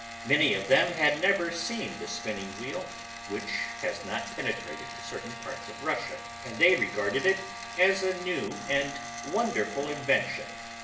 Many of them had never seen the spinning wheel, which has not penetrated to certain parts of Russia, and they regarded it as a new and wonderful invention.